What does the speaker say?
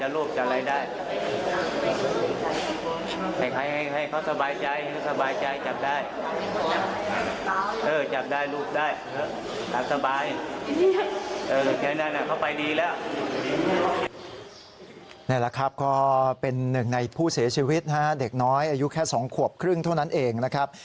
นี่แหละครับก็เป็นหนึ่งในผู้เสียชีวิตนะฮะเด็กน้อยอายุแค่๒ขวบครึ่งเท่านั้นเองนะครับ